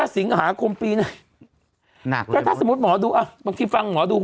ถ้าสิงหาคมปีในหนักถ้าสมมติหมอดูอะเมื่อกี้ฟังหมอดู